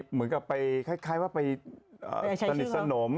เหมือนกับไปคล้ายว่าไปสนิทสนม